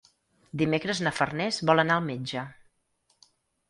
Dimecres na Farners vol anar al metge.